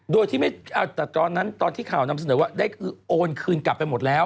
โดยที่ไม่แต่ตอนนั้นตอนที่ข่าวนำเสนอว่าได้โอนคืนกลับไปหมดแล้ว